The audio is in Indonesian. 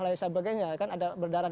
dan sebagainya kan ada berdarah